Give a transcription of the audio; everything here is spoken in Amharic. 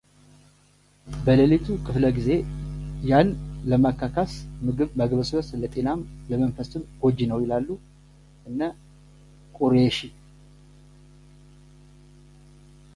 በሌሊቱ ክፍለ ጊዜ ያን ለማካካስ ምግብ ማግበስበስ ለጤናም ለመንፈስም ጎጂ ነው ይላሉ እነ ቁረይሺ።